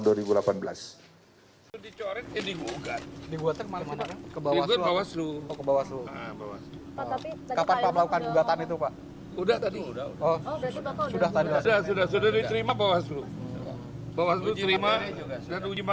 dan menanurkan arcata